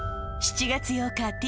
７月８日